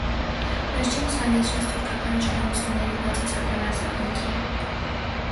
Վերջինս, հանգեցրեց թուրքական իշխանությունների բացասական արձագանքին։